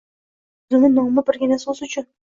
Sovet tuzumi nomi birgina so‘zi uchun